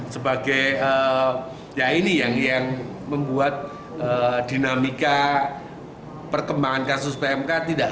sebagai yang membuat dinamika perkembangan kasus pmk tidak